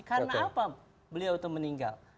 karena apa beliau itu meninggal